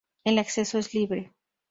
El acceso es libre.